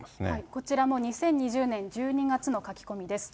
こちらも２０２０年１２月の書き込みです。